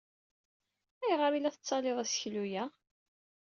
Ayɣer ay la tettalyeḍ aseklu-a?